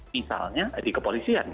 misalnya di kepolisian